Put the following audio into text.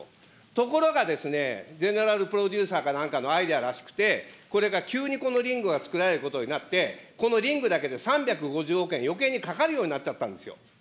ところがですね、ゼネラルプロデューサーかなんかのアイデアらしくて、これが急にこのリングがつくられることになって、このリングだけで、３５０億円余計にかかるようになっちゃったんですよ。